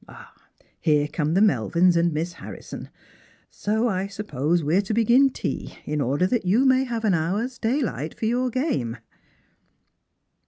0, here come the j).Ielvins and Mis Harrison ; so I suppose we are to begin tea, in order that you may have an hour's daylight for your game